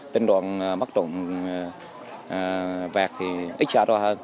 tình trạng mất trộm vẹt thì ít trả rõ hơn